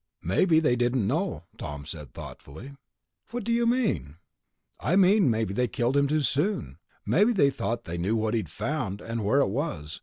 "Maybe they didn't know," Tom said thoughtfully. "What do you mean?" "I mean maybe they killed him too soon. Maybe they thought they knew what he'd found and where it was